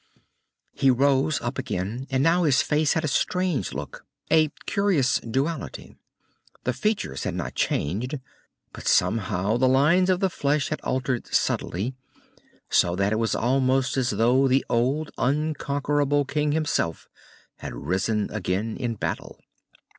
He rose up again. And now his face had a strange look, a curious duality. The features had not changed, but somehow the lines of the flesh had altered subtly, so that it was almost as though the old unconquerable king himself had risen again in battle.